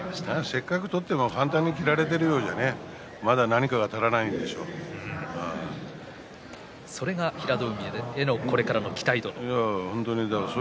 せっかく取っても簡単に切られてしまうようではそれが平戸海へのこれからの期待という。